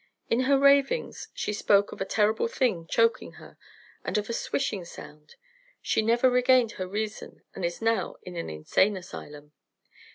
In her ravings she spoke of a terrible thing choking her, and of a swishing sound. She never regained her reason, and is now in an insane asylum.